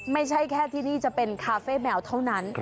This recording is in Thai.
ไม่ใช่แค่ที่นี่จะเป็นคาเฟ่แมวเท่านั้น